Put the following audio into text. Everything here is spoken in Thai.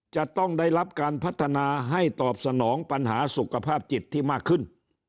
จะต้องได้รับการพัฒนาให้ตอบสนองปัญหาสุขภาพจิตที่มากขึ้น